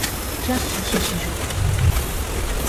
Classe sur ce sujet.